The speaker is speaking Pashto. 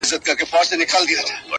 يوازيتوب ريشا په ډک ښار کي يوازي کړمه ,